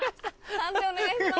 判定お願いします。